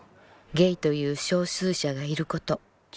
「ゲイという少数者がいること。